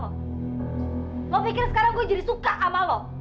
lo pikir sekarang gue jadi suka sama lo